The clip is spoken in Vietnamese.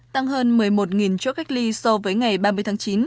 tăng hơn một mươi một chốt cách ly so với ngày ba mươi tháng chín